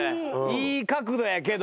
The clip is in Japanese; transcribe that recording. いい角度やけど。